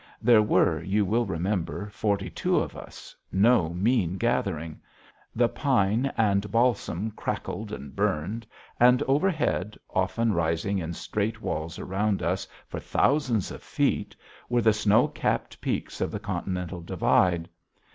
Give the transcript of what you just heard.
There were, you will remember, forty two of us no mean gathering. The pine and balsam crackled and burned, and overhead, often rising in straight walls around us for thousands of feet, were the snow capped peaks of the Continental Divide.